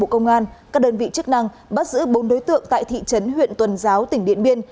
các đơn vị chức năng bắt giữ bốn đối tượng tại thị trấn huyện tuần giáo tỉnh điện biên